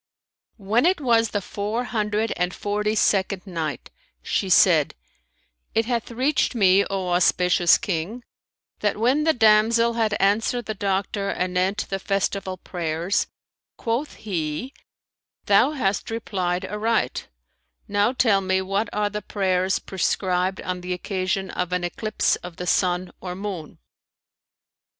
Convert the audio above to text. When it was the Four Hundred and Forty second Night, She said, It hath reached me, O auspicious King, that when the damsel had answered the doctor anent the Festival prayers, quoth he, "Thou hast replied aright: now tell me what are the prayers prescribed on the occasion of an eclipse of the sun or moon?"